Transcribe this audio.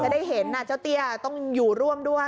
ได้เห็นเจ้าเตี้ยต้องอยู่ร่วมด้วย